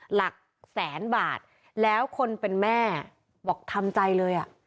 หลักแสนบาทแล้วคนเป็นแม่บอกทำใจเลยอ่ะ